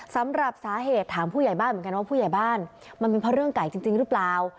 สำหรับสาเหตุถามผู้ใหญ่บ้านเหมือนกันว่าผู้ใหญ่บ้านมันเป็นเพราะเรื่องไก่จริงหรือเปล่า